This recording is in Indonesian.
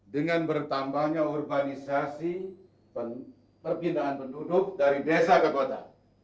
dengan bertambahnya urbanisasi perpindahan penduduk dari desa ke kota